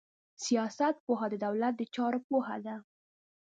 سياست پوهنه د دولت د چارو پوهه ده.